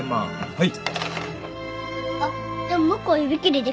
はい。